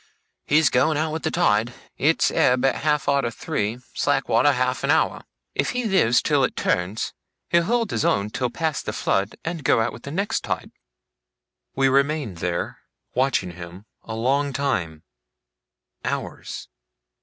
He's a going out with the tide. It's ebb at half arter three, slack water half an hour. If he lives till it turns, he'll hold his own till past the flood, and go out with the next tide.' We remained there, watching him, a long time hours.